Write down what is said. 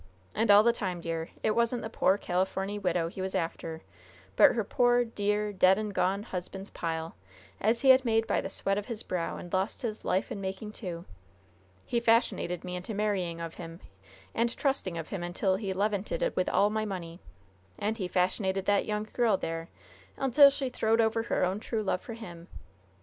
And all the time, dear, it wasn't the poor Californy widow he was after; but her poor, dear, dead and gone husband's pile, as he had made by the sweat of his brow, and lost his life in making, too! He fashionated me into marrying of him and trusting of him until he levanted with all my money! And he fashionated that young girl there until she throwed over her own true love for him!